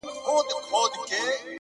• نې مني جاهل افغان ګوره چي لا څه کیږي,